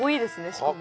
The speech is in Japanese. しかも。